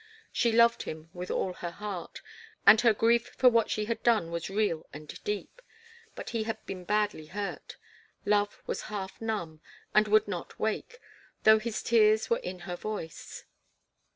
She loved him with all her heart, and her grief for what she had done was real and deep. But he had been badly hurt. Love was half numb, and would not wake, though his tears were in her voice.